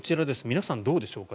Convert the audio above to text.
皆さん、どうでしょうか。